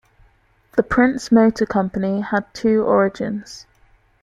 The Prince Motor Company had two origins.